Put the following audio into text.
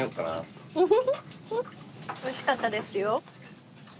おいしかったですよ。